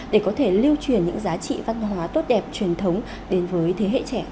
để có thể lưu truyền những giá trị văn hóa tốt đẹp truyền thống đến với thế hệ trẻ